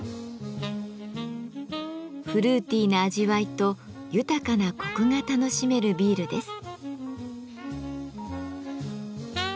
フルーティーな味わいと豊かなコクが楽しめるビールです。